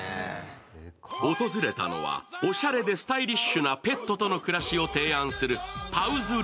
訪れたのはおしゃれでスタイリッシュなペットとの暮らしを提案するｐａｗ’ｓｌｉｖｉｎｇ。